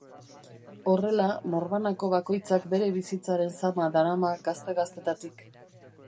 Horrela, norbanako bakoitzak bere bizitzaren zama darama gazte-gaztetatik.